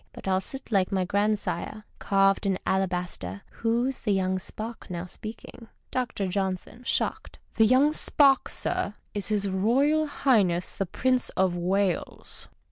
But I'll sit like my grandsire, carved in alabaster. Who's the young spark, now speak ing ? Dr. J. {shocked). — The young spark, sir, is His Royal Highness tiie Prince of Wales.